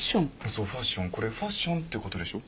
そうファッションこれファッションってことでしょ？